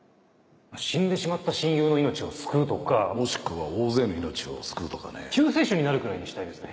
死んでしまった親友の命をもしくは大勢の命を救うとか救世主になるぐらいにしたいですね